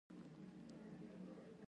د غزني په مالستان کې د مسو نښې شته.